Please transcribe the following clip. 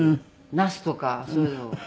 ナスとかそういうのをねっ。